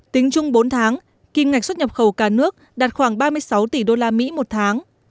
tính chung bốn tháng kim ngạch xuất nhập khẩu cả nước đạt khoảng ba mươi sáu tỷ usd một tháng